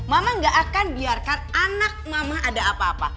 mama gak akan biarkan anak mama ada apa apa